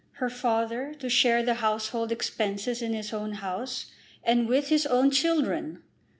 Her father to share the household expenses in his own house, and with his own children!